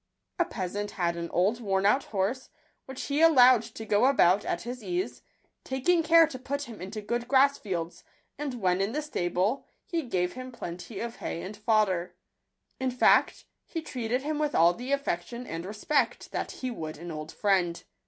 PEASANT had an old worn out horse, which he allowed to go about at his ease, taking care to put him into good grass fields ; and when in the stable, he gave him plenty of hay and fodder ; in fact, he treated him with all the affection and respect that he would an old friend.